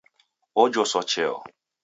Ojoswa cheo